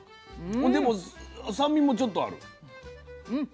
でも酸味もちょっとある。